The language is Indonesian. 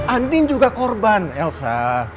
andin juga korban elsa